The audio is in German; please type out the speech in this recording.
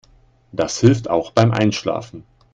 Das hilft auch beim Einschlafen.